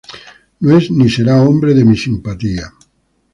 No es ni será hombre de mi simpatía.